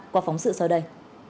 qua phóng sự sau đây